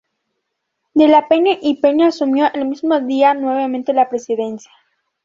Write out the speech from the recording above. De la Peña y Peña asumió el mismo día nuevamente la presidencia.